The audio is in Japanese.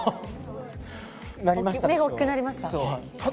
目が大きくなりました。